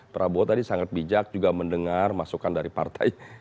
prabowo tadi sangat bijak juga mendengar masukan dari partai